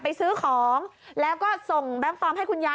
ซื้อของแล้วก็ส่งแบงค์ปลอมให้คุณยาย